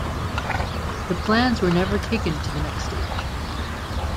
The plans were never taken to the next stage.